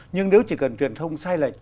nhưng nếu chỉ cần truyền thông sai lệch